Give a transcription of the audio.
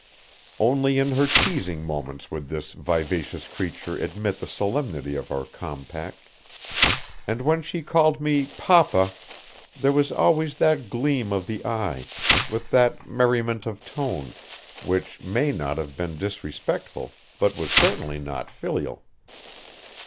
Only in her teasing moments would this vivacious creature admit the solemnity of our compact, and when she called me "papa" there was always that gleam of the eye, with that merriment of tone, which may not have been disrespectful but was certainly not filial.